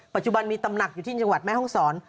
ปัจจุบันมีตำหนักอยู่ที่จังหวัดแม่ห้องศร